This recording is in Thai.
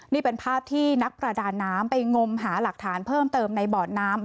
นี่เป็นภาพที่นักประดาน้ำไปงมหาหลักฐานเพิ่มเติมในเบาะน้ำ